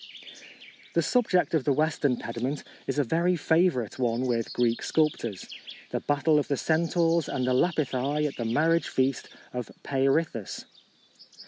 The subject of the western pediment is a very favourite one with Greek sculptors — the battle of the Centaurs and the Lapithae at the marriage feast of Peirithous.